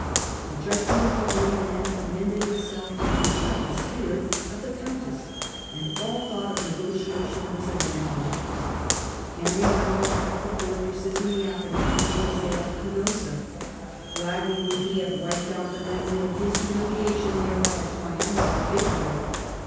The judgment of the holy man commended itself to the intrepid spirit of the countess, and all thought of negotiation was abandoned. Henry now attacked the fortresses in the Apennines, and assailed Canossa. Gladly Digitized by VjOOQIC Pontificate op Urban IL 163 would he have wiped out the memory of his humUia tion there by a triumphant victory.